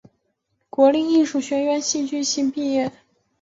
国立艺术学院戏剧系毕业。